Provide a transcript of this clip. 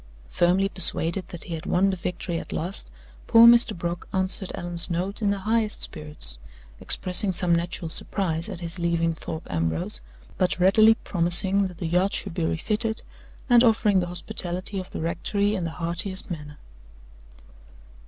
Firmly persuaded that he had won the victory at last, poor Mr. Brock answered Allan's note in the highest spirits, expressing some natural surprise at his leaving Thorpe Ambrose, but readily promising that the yacht should be refitted, and offering the hospitality of the rectory in the heartiest manner.